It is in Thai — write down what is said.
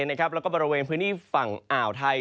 แล้วก็บริเวณพื้นที่ฝั่งอ่าวไทย